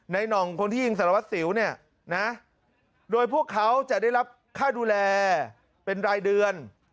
หน่องคนที่ยิงสารวัตรสิวเนี่ยนะโดยพวกเขาจะได้รับค่าดูแลเป็นรายเดือน